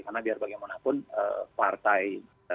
karena biar bagaimanapun partai